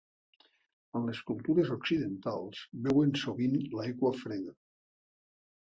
En les cultures occidentals beuen sovint l'aigua freda.